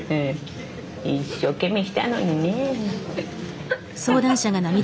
一生懸命したのにねえ。